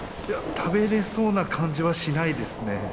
いや食べれそうな感じはしないですね。